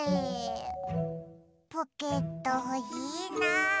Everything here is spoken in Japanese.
ポケットほしいな。